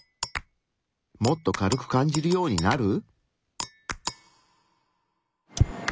もっと軽く感じるようになる？